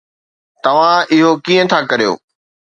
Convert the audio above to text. توهان اهو ڪيئن ٿا ڪريو؟